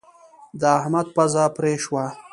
د احمد پزه پرې شوه.